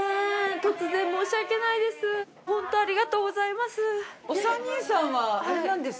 突然申し訳ないです。